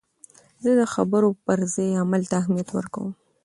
زه د خبرو پر ځای عمل ته اهمیت ورکوم.